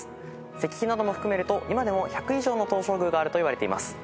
石碑なども含めると今でも１００以上の東照宮があるといわれています。